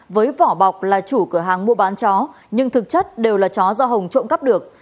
với vỏ bọc là chủ cửa hàng mua bán chó nhưng thực chất đều là chó do hồng trộm cắp được